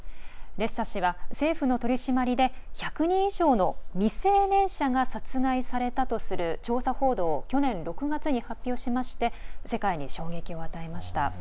レッサ氏は政府の取り締まりで１００人以上の未成年者が殺害されたとする調査報道を去年６月に発表しまして世界に衝撃を与えました。